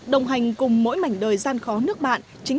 đồng hành cùng mỗi mảnh đời gian khó nước bạn